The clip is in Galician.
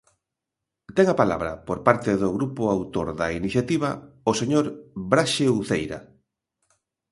Ten a palabra, por parte do Grupo autor da iniciativa, o señor Braxe Uceira.